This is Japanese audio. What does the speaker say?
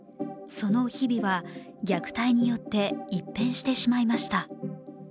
その日々は虐待によって一変してしまいました。